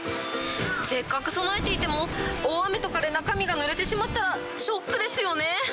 せっかく備えていても、大雨とかで中身がぬれてしまったら、ショックですよね。